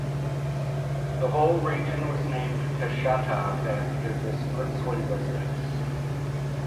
The whole region was named Kashatagh after this princely residence.